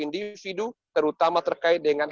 individu terutama terkait dengan